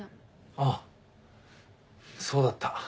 あっそうだった。